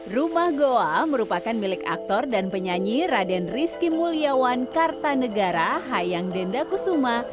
rumah goa merupakan milik aktor dan penyanyi raden rizky mulyawan kartanegara hayang dendakusuma